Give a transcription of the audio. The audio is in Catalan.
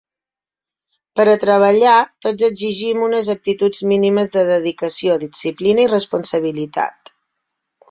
Per a treballar, tots exigim unes aptituds mínimes de dedicació, disciplina i responsabilitat.